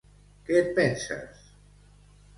Què et penses!